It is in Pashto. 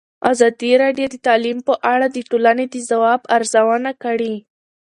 ازادي راډیو د تعلیم په اړه د ټولنې د ځواب ارزونه کړې.